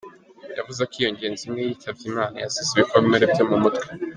Yavuze ko iyo ngenzi imwe yitavye Imana yazize ibikomere vyo mu mutwe.